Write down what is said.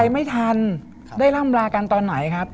ไม่ทันได้ร่ำลากันตอนไหนครับ